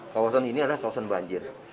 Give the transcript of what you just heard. kawasan ini adalah kawasan banjir